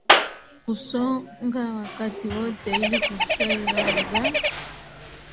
kusonga wakati wote ili kufurahi raha za